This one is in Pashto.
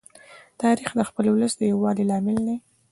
تاریخ د خپل ولس د یووالي لامل دی.